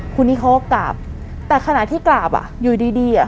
คุณนี้เขาก็กราบแต่ขณะที่กราบอยู่ดี